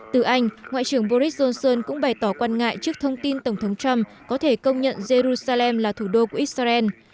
từ anh ngoại trưởng boris johnson cũng bày tỏ quan ngại trước thông tin tổng thống trump có thể công nhận jerusalem là thủ đô của israel